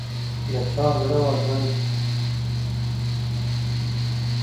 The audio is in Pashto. د چا زړه ورباندې اوبه نه څښي